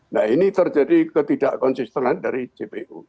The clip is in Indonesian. nah ini terjadi ketidak konsistenan dari jpu